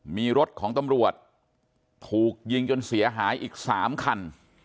มีรถของตำรวจถูกยิงจนเสียหายอีก๓คัน